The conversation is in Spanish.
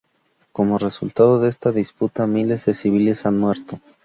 Como resultado de esta disputa, miles de civiles han muerto.